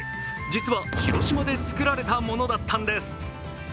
実は、広島で作られたものだったんです。